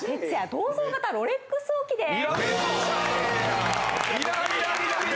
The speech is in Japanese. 銅像型ロレックス置きです。